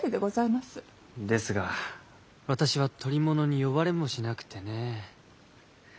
ですが私は捕り物に呼ばれもしなくてね。